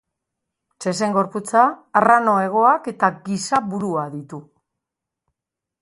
Zezen gorputza, arrano hegoak eta giza burua ditu.